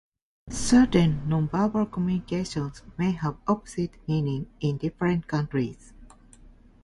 Certain non-verbal communications may have opposite meanings in different countries.